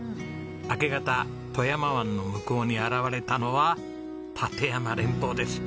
明け方富山湾の向こうに現れたのは立山連峰です。